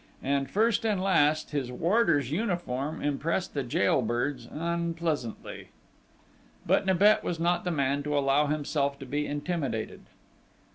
And, first and last, his warder's uniform impressed the jail birds unpleasantly. But Nibet was not the man to allow himself to be intimidated.